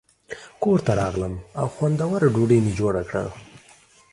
کور ته راغلم او خوندوره ډوډۍ مې جوړه کړه.